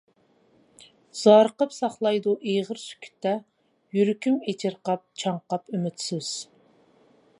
زارىقىپ ساقلايدۇ ئېغىر سۈكۈتتە، يۈرىكىم ئېچىرقاپ، چاڭقاپ ئۈمىدسىز.